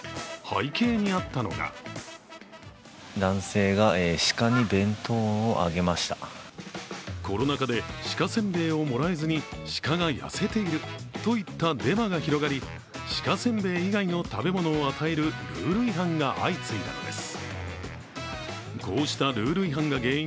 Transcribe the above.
背景にあったのがコロナ禍で鹿せんべいをもらえずに、鹿が痩せているといったデマが広がり、鹿せんべい以外の食べ物を与えるルール違反が相次いだのです。